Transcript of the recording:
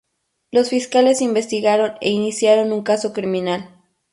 Los fiscales investigaron e iniciaron un caso criminal.